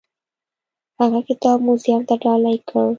هغه کتاب موزیم ته ډالۍ کړ.